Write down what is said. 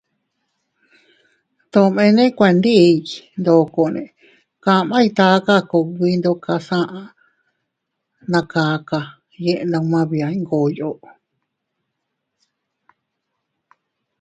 Tomene kuendiy ndokone kamay taka kugbi ndokas aʼa na kaka yiʼi numma bia Iyngoyo.